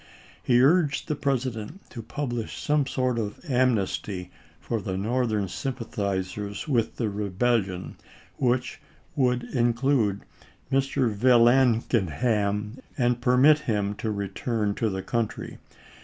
He urged the President to publish some sort of amnesty for the Northern sympathizers with the rebellion which would include Mr. Vallandigham and permit him to return to the country.